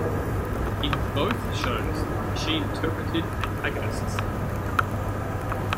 In both shows she interpreted antagonists.